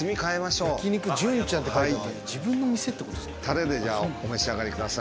タレでじゃあお召し上がりください。